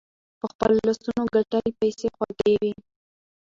په خپلو لاسونو ګتلي پیسې خوږې وي.